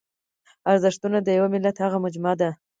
ارزښتونه د یوه ملت هغه مجموعه ده.